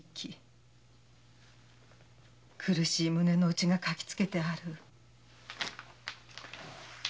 苦しい胸のうちが書きつけてある。